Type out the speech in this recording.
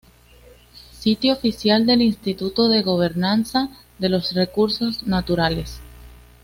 Sitio oficial del Instituto de Gobernanza de los Recursos Naturales